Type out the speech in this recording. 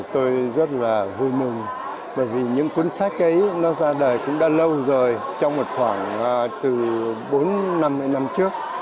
tôi rất là vui mừng bởi vì những cuốn sách ấy nó ra đời cũng đã lâu rồi trong một khoảng từ bốn năm một mươi năm trước